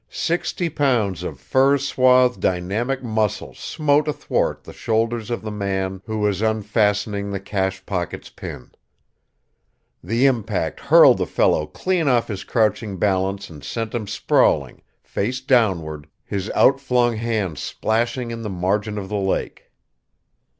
Sixty pounds of fur swathed dynamic muscle smote athwart the shoulders of the man who was unfastening the cash pocket's pin. The impact hurled the fellow clean off his crouching balance and sent him sprawling, face downward, his outflung hands splashing in the margin of the lake.